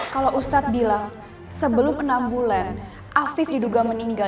kalo ustadz bilang sebelom enam bulan afif diduga meninggal